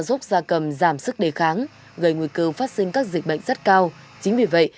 giúp gia cầm giảm sức đề kháng gây nguy cơ phát sinh các dịch bệnh rất cao chính vì vậy